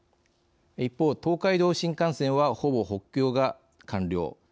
一方、東海道新幹線はほぼ補強が完了。